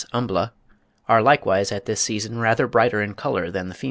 umbla) are likewise at this season rather brighter in colour than the females.